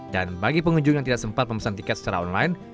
dan bagi pengunjung yang tidak sempat memesan tiket secara online